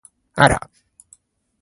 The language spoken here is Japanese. あら！